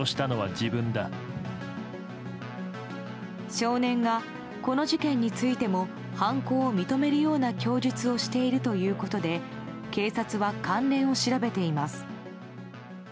少年が、この事件についても犯行を認めるような供述をしているということで警察は関連を調べています。